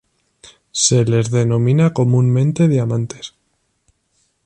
Se les denomina comúnmente diamantes.